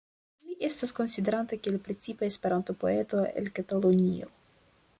Li estas konsiderata la precipa Esperanto-poeto el Katalunio.